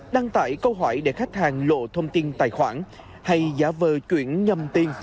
đăng tải câu hỏi để khách hàng lộ thông tin tài khoản hay giả vờ chuyển nhầm tin